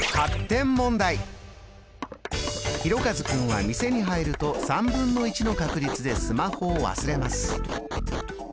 ひろかず君は店に入るとの確率でスマホを忘れます。